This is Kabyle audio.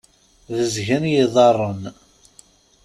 Bezgen yiḍan.